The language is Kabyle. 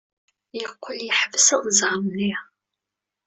Yeqqel yeḥbes unẓar-nni.